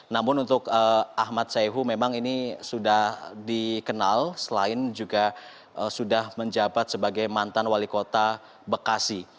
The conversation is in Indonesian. namun untuk ahmad sayhu memang ini sudah dikenal selain juga sudah menjabat sebagai mantan wali kota bekasi